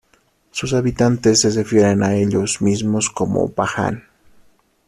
Sus habitantes se refieren a ellos mismos como "Bajan".